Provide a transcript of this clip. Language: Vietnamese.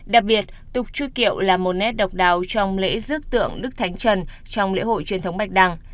đặc biệt tục chu kiệu là một nét độc đáo trong lễ rước tượng đức thánh trần trong lễ hội truyền thống bạch đăng